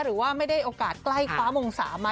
หรือว่าไม่ได้โอกาสใกล้คว้ามงศามา